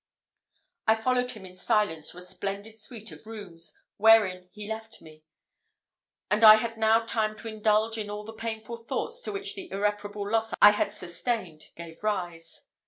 I followed him in silence to a splendid suite of rooms, wherein he left me; and I had now time to indulge in all the painful thoughts to which the irreparable loss I had sustained gave rise.